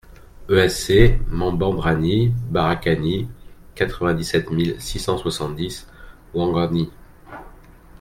ESC MABANDRANI BARAKANI, quatre-vingt-dix-sept mille six cent soixante-dix Ouangani